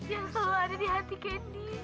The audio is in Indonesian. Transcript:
yang selalu ada di hati kendi